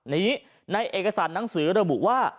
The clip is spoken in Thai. นี้ในเอกสารหนังสือระบุว่า